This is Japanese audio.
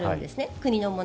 国のもの。